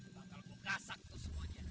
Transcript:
bakal ku kasak tuh semuanya